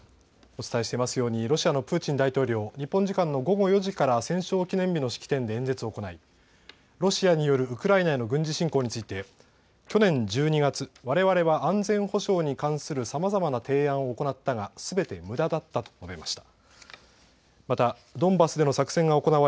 お伝えしていますようにロシアのプーチン大統領、日本時間の午後４時から戦勝記念日の式典で演説を行い、ロシアによるウクライナへの軍事侵攻について去年１２月、われわれは安全保障に関するさまざまな提案を行ったがすべてむだだったと述べました。